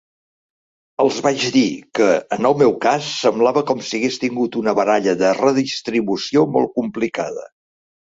'Els vaig dir que, en el meu cas, semblava com si hagués tingut una baralla de redistribució molt complicada.